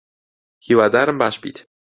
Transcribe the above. هیوادارم باش بیت